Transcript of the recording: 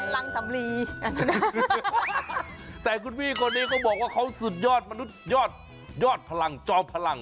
ลำสำลีแต่คุณพี่คนนี้เขาบอกว่าเขาสุดยอดมนุษย์ยอดยอดพลังจอมพลัง